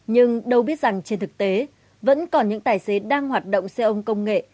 nhưng đâu biết rằng trên thực tế vẫn còn những tài xế đang hoạt động xe ôn công nghệ